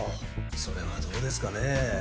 それはどうですかね？